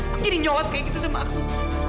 kok jadi nyolot kayak gitu sama aku